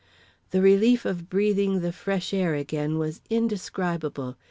The relief of breathing the fresh air again was indescribable.